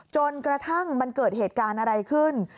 จนกระทั่งมันเกิดเหตุการณ์อะไรขึ้น